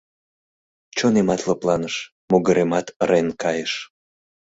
— Чонемат лыпланыш, могыремат ырен кайыш...